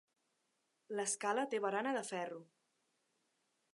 L'escala té barana de ferro.